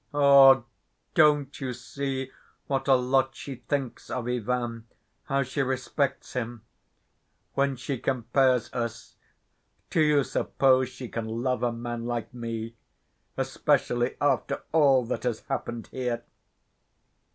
Oo! Don't you see what a lot she thinks of Ivan, how she respects him? When she compares us, do you suppose she can love a man like me, especially after all that has happened here?"